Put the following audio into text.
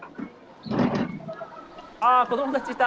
ああ子供たちいた。